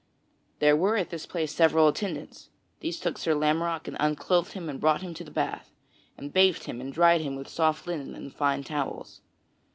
There were at this place several attendants; these took Sir Lamorack and unclothed him and brought him to the bath, and bathed him and dried him with soft linen and with fine towels.